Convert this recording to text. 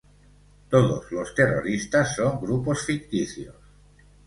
Todos los terroristas son grupos ficticios.